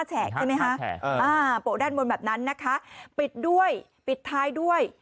แฉกใช่ไหมคะโปะด้านบนแบบนั้นนะคะปิดด้วยปิดท้ายด้วย